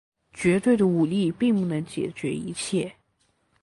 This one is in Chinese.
绝对的武力并不能解决一切。